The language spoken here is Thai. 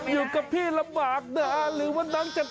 อยู่กับพี่ลำบากนานหรือว่าน้องจะ